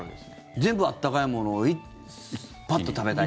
全部、温かいものをパッと食べたい。